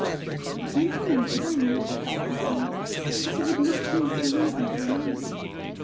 "A gentleman would, I know," I replied. "But it would not be so easy for a lady!"